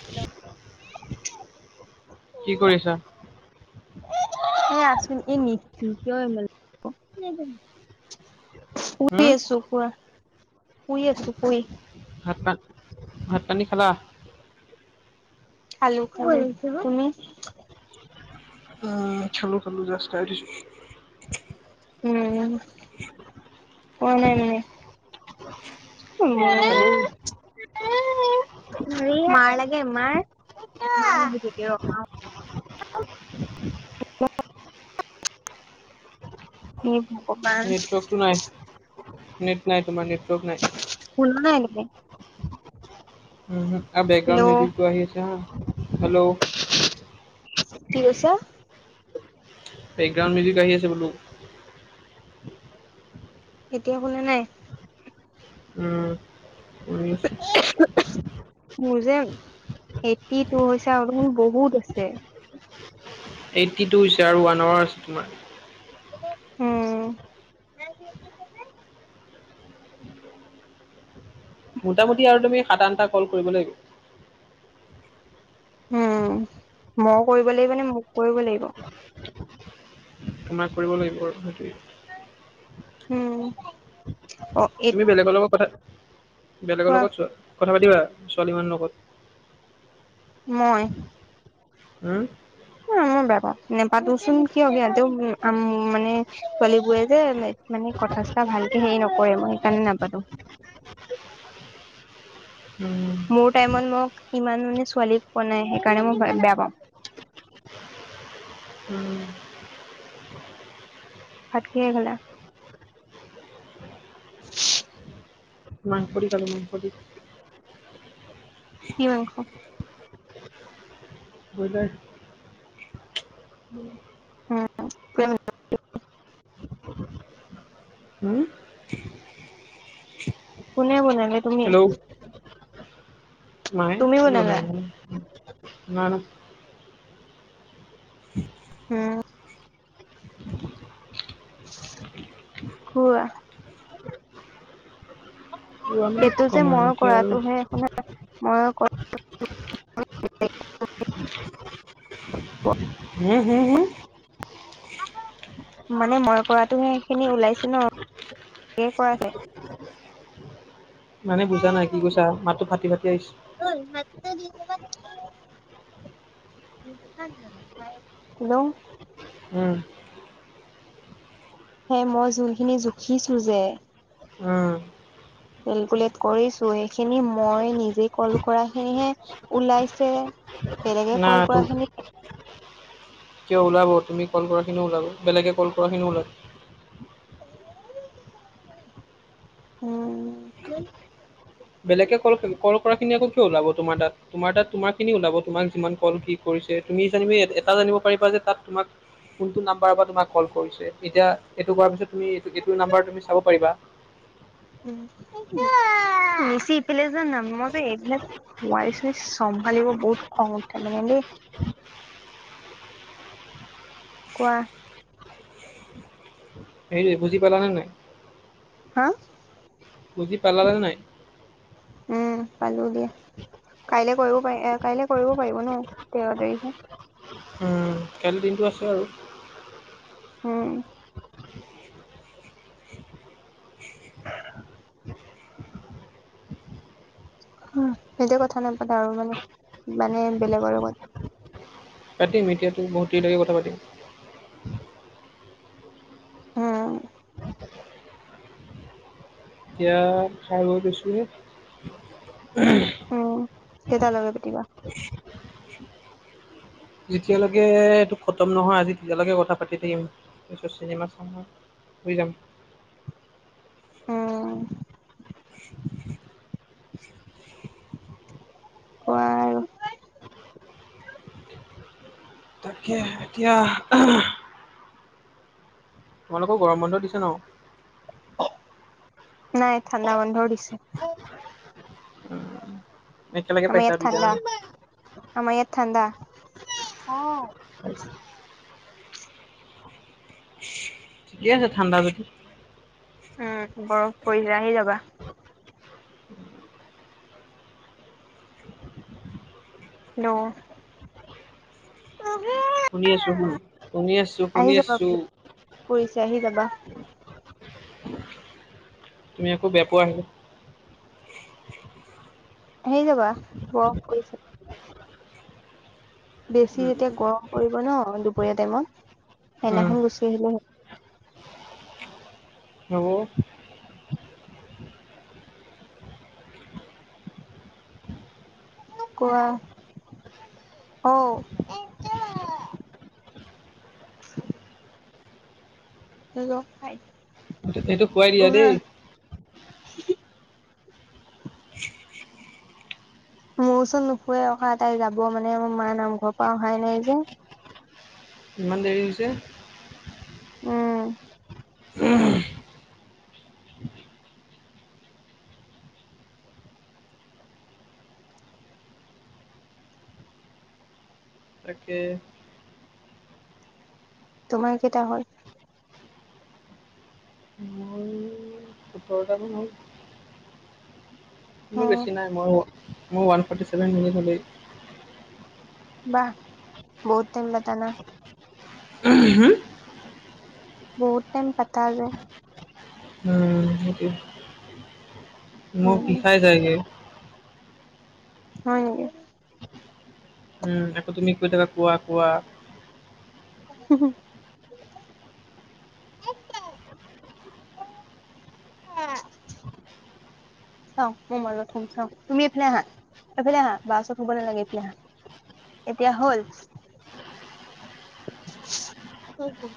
Hello কি কৰিছা? [unintelligible] এ আছো [unintelligible] শুই হুম, আছো কোৱা। শুই আছো, শুই। ভাত পান, ভাত পানী খালা? খালো খালো। তুমি? খালো খালো জাষ্ট খাই উঠিছো। উম হয় নেকি উম হেল্ল' [unintelligible] মাৰ লাগে মাৰ [unintelligible] [unintelligible] [unintelligible] নেট নাই তোমাৰ নেটৰ্ক নাই। কোনো নাই নেকি? উমহম আৰু বেকগ্ৰাউন্ড মিউজিকটো আহি আছে হা হেল্লো' কি কৈছা? বেকগ্ৰাউণ্ড মিউজিক আহি আছে বোলো। এতিয়া শুনা নাই? উম। [inaudible] মোৰ যে এইটটি টু হৈছে আৰু বহুত আছে। এইটি টু হৈছে, আৰু ওৱান আৱাৰ আছে তোমাৰ। উম। মোটামুটি আৰু তুমি সাত-আঠটা কল কৰিব লাগিব। উম, মই কৰিব লাগিব নে মোক কৰিব লাগিব? তোমাক কৰিব লাগিব আৰু, সেইটোৱেই। উম। অ এ তুমি বেলেগৰ লগত কথা-বেলেগৰ কোৱা লগত ছো-কথা পাতিবা ছোৱালী মানুহৰ লগত? মই? উম? উম মই বেয়া পাওঁ, নেপাতোঁচোন, কিয় বেয়া-তেওঁ মানে ছোৱালীবোৰে যে মানে কথা-চথা ভালকে হেৰি নকৰে, মই সেইকাৰণে নাপাতোঁ। উম। মোৰ টাইমত মোক ইমান মানে ছোৱালীক পোৱা নাই, সেইকাৰণে মই বেয়া পাওঁ। উম। ভাত কিহে খালা? উ মাংস দি খালোঁ, মাংস দি। কি মাংস? বইলাৰ। উম [unintelligible] হুম কোনে বনালে তুমি? হেল্ল' মায়ে, তুমি কোনে বনালা বনাব আৰু, মা উম। কোৱা বোৱা মানে কি এইটো যে ক'ম আৰু মই এতিয়া আৰু কৰাটোহে শুনা, মই ক হুম হুম হুম? মানে মই কৰাটোহে সেই খিনি ওলাইছে ন, [inaudible] কৰাটোৱে। মানে বুজা নাই কি কৈছা, মাতটো ফাটি ফাটি আহিছে। [unintelligible] হেল্ল' উম। সেই মই যোনখিনি জুখিছোঁ যে উম। কেলকুলেট কৰিছোঁ, এইখিনি মই নিজে কল কৰাখিনিহে ওলাইছে। বেলেগে না কল তো কৰাখিনি কিয় ওলাব, তুমি কল কৰা খিনিও ওলাব, বেলেগে কল কৰাখিনিও ওলাই। উম বেলেগে কল-কল কৰা খিনি আকৌ কিয় ওলাব তোমাৰ তাত, তোমাৰ তাত তোমাৰ খিনি ওলাব, তোমাক যিমান কল কি কৰিছে, তুমি যেনিবা এটা জানিব পাৰিবা যে তাত তোমাক কোনটো নাম্বাৰ পৰা তোমাক কল কৰিছে, এতিয়া এইটো কৰাৰ পিছত তুমি এইটো নাম্বাৰ তুমি চাব পাৰিবা। [inaudible] উম নিছি ইফালে যা না মই যে এইবিলাক। চম্ভালিব বহুত খং উঠে মানে। কোৱা। হেৰি, বুজি পালানে নাই? হা? বুজি পালা নে নাই? উম', পালো দিয়া। কাইলে কৰিব পাৰি, এ' কাইলে কৰিব পাৰিব ন? তেৰ তাৰিখে? কাইলে দিনটো আছে আৰু। উম'। হম এতিয়া কথা নাপাতা আৰু মানে, মানে বেলেগৰ লগত। পাতিম এতিয়াটো বহুত দেৰিলৈকে কথা পাতিম। হুম। এতিয়া খাই বৈ লৈছো হে। উম' কেইটা লৈকে পিটিবা? যেতিয়ালৈকে এইটো খতম নহয় আজি, তেতিয়ালৈকে কথা পাতি থাকিম, তাৰপিছত চিনেমা চাম আৰু। শুই যাম। অ। কয়া। তাকে এতিয়া। তোমালোকৰ গৰম বন্ধ দিছে ন? নাই ঠাণ্ডা বন্ধও দিছে। একেলগে আমাৰ পাইছা ইয়াত দুইটা ঠাণ্ডা, মানে। আমাৰ ইয়াত ঠাণ্ডা, অ। [inaudible] ঠিকে আছে ঠাণ্ডা যদি। উম' বৰফ পৰিচে আহি যাবা। দো। শুনি আছোঁ, শুন-শুনি আছোঁ, আহি শুনি যাবা আছোঁ। বোলো পৰিছে আহি যাবা। তুমি আকৌ বেয়া পোৱা আহিলে। আহি যাবা, বৰফ পৰিছে। বেছি যেতিয়া গৰম পৰিব ন, দুপৰীয়া টাইমত, উম সেইদিনাখন গুচি আহিলে হ'ল। হ'ব। কোৱা, অ। কৰিব আই। এইটো শুৱাই দিয়া দেই। মোৰ ওচৰত নুশুৱে, অহা তাই যাব মানে মোৰ মা নামঘৰ পৰা অহাই নাই যে। ইমান দেৰি হৈছে। উম'। উম। তাকে। তোমাৰ কেইটা হ'ল। মোৰ। বাৰটা মান হ'ল। মোৰ উম বেছি নাই মই মই ওৱান ফৰ্টিচেভেন বুলি বাহ বহুত টাইম লেতা ন হম বহুত টাইম কাটা হৈগে। উম সেইটোয়ে মুখ উম বিষাই যায়গে। হয় নেকি উম', আকৌ তুমি কৈ থাকা কোৱা-কোৱা। [unintelligible] চাওঁ মই মাজত শুম চাওঁ তুমি এইফালে আহা। এইফালে আহা বা ওচৰত শুৱ নালাগে এইফালে আহা এতিয়া হ'ল হৈ গ'ল।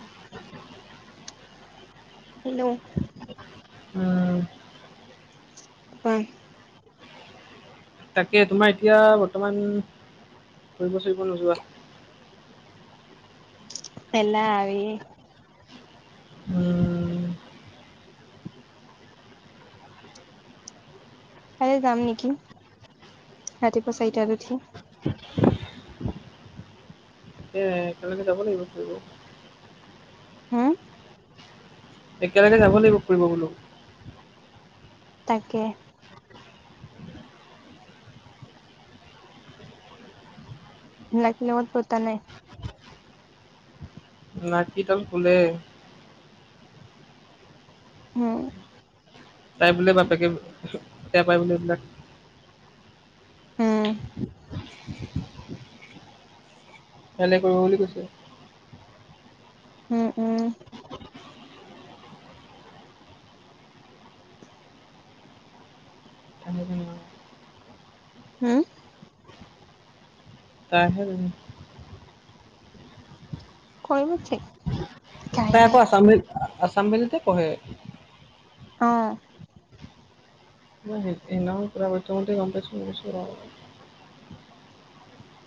হেল্লো উম হয় তাকে তোমাৰ এতিয়া বৰ্তমান ফুৰিব চুৰিব নোযোৱা? তেলা আৰি উম কাইলৈ যাম নেকি ৰাতিপুৱা চাৰিটাত উঠি। উম একেলগে যাব লাগিব ফুৰিব। হম একেলগে যাব লাগিব ফুৰিব বোলো। তাকে মিনাক্ষী লগত পতা নাই নাক কি ডাল শুলে। হম তাই বোলে বাপেকে বেয়া পাই বোলে এইবিলাক। উম কাইলে কৰিব বুলি কৈছে। উম উম এনে [inaudible] হম তাই হে জানে। কৰিব ছেক তাই আকৌ আছাম ভেলিত আছাম ভেলিতে পঢ়ে। অ ন হে সেইদিনা খন কবা কৈ থাকোঁতে গম পাইছোঁ। [unintelligible]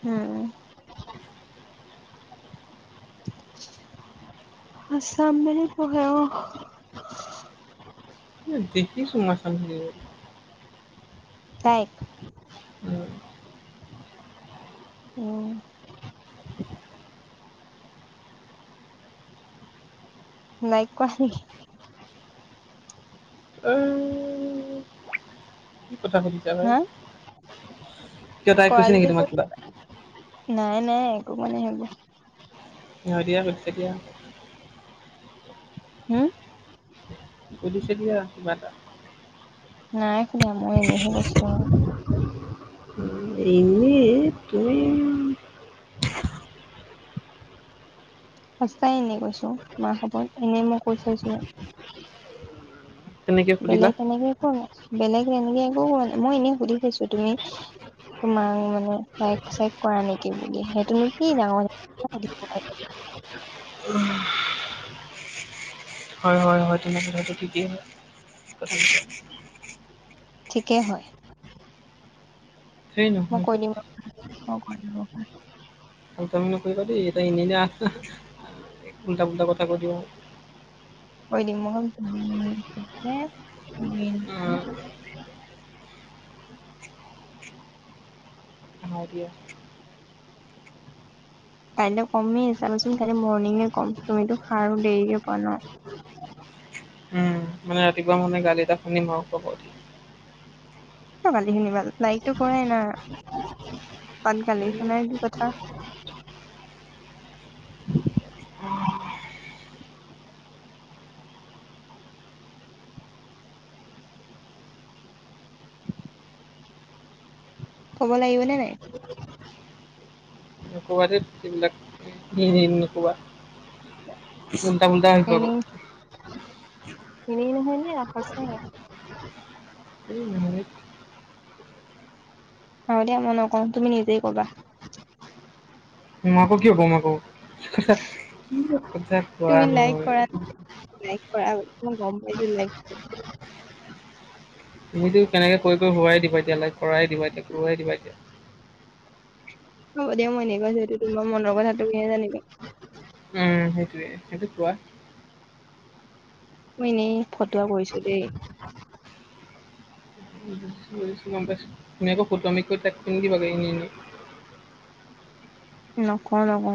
উম আসাম মানে পঢ়াও দেখিছো মা [unintelligible] তাই উম উম নাই কোৱা সি আহ কি কথা সুনিছা ভাই হা কিয় তাই কৰা কৈছে নেকি যদি তোমাক কিবা? কৰিবা। নাই নাই একো মানে এইবোৰ। সিহঁতিয়ে কৰিছে দিয়া। হো? সুধিছিলো দিয়া কিবা এটা। নাই সুধা মই এনেহে কৈছোঁ। উম, এনেই তুমি সঁচাই এনে কৈছোঁ, মা শপত এনেই মই কৈ চাইছোঁহে। তেনেকে সুধিলা। বেলেগ তেনেকে একো নাই, বেলেগ তেনেকে একো কৰা নাই। মই এনেই সুধি ছাইছো তুমি তোমাৰ মানে লাইক-চাইক কৰা নেকি বুলি? সেইটোনো কি ডাঙৰ কিয় সুধিব লাগে। উহ। হয়, হয়, হয় তেনে কথাটো থিকেই হয় কথাবিলাক। ঠিকেই হয়। ধেই মই নহয় কৈ ধেত দিম ৰখা, মই কৈ দিম ৰ'বা। ফতুৱামি নকৰিবা দেই, এটা এনে এনে আ উল্টা-পুল্টা কথা কৈ দিওঁ। কৈ দিম মই [inaudible] উম, নাই দিয়া। কাইলৈ কমেই চাবোচোন, কাইিলৈ মৰ্ণিঙে কম। তুমিতো সাৰো দেৰিকে পোৱা ন। উম, মানে ৰাতিপুৱা মানে গালি এটা শুনিম আৰু, শোৱাৰপৰা উঠি। কিয় গালি শুনিবা। লাইকটো কৰাই না তাত গালি শুনাৰ কি কথা। ক'ব লাগিবনে নাই? নকবা ধেইত এইবিলাক এনে এনে নকবা। উল্টা-পুল্টা হ'ব আকৌ। এনেই এনেই নহয় দিয়া সঁচাকে। এই নহয় ধেইত। হ'ব দিয়া মই নকওঁ, তুমি নিজেই ক'বা। মই আকৌ কিয় কম আকৌ, হা হা কি যে কথা। কোৱা তুমি লাইক নহয় কৰা, লাইক কৰা মই গম পাইছো লাইক তুমিটো তেনেকে কৈ কৈ হোৱাই দিবা এতিয়া, লাইক কৰাই দিবা এতিয়া, কৰোৱাই দিবা এতিয়া। হ'ব দিয়া মই এনেই কৈছো এইটো, তোমাৰ মনৰ কথা তুমিহে জানিবা। উম সেইটোৱে, সেইটো কোৱা। মই এনেই ফটুৱা কৰিছো দেই। বুজিছো, বুজিছো গম পাইছো। তুমি আকৌ ফতুৱামি কৈ তাইক কৈ নিদিবা গৈ এনেই এনেই। নকওঁ, নকওঁ।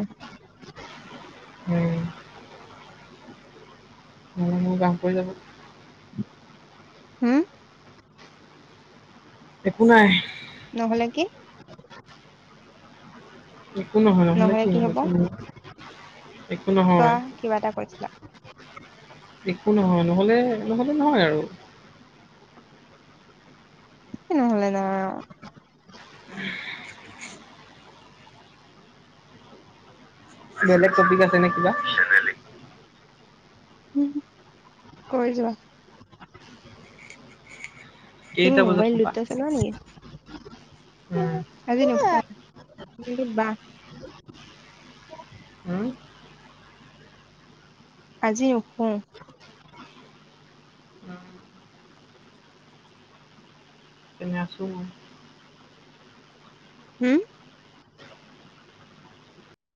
উম। মোৰ গান পৰি যাব। হু? একো নাই। নহ'লে কি? একো নহয়, নহ'লে কি হ'ব একো নহয়। একো কোৱা নহয় কিবা এটা কৈছিলা। একো নহয়, নহ'লে নহ'লে নহয় আৰু। কি নহ'লে নহয় আৰু? বেলেগ টপিক আছে নে কিবা। উম কৈ যোৱা। তুমি কেইটা বজাত মোবাইল শুবা দুটা চলোৱা নেকি? উম আজি নুশুৱা, এইটো বা উম আজি নুশুও। তেনে আছোঁ মই। হুম